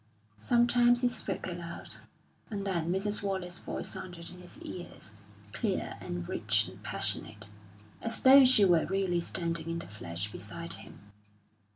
Sometimes he spoke aloud, and then Mrs. Wallace's voice sounded in his ears, clear and rich and passionate, as though she were really standing in the flesh beside him.